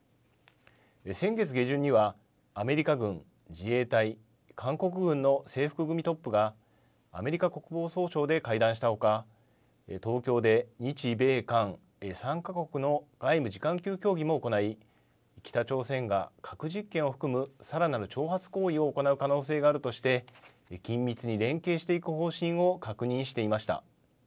先月下旬には、アメリカ軍、自衛隊、韓国軍の制服組トップが、アメリカ国防総省で会談したほか、東京で日米韓３か国の外務次官級協議も行い、北朝鮮が核実験を含むさらなる挑発行為を行う可能性があるとして、緊密に連携していく方針を確認していました。